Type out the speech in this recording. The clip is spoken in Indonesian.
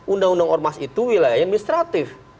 undang undang ormas itu wilayah administratif